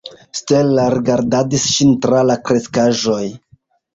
Stella rigardadis ŝin tra la kreskaĵoj.